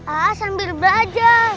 a'a sambil belajar